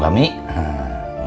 sampai jumpa lagi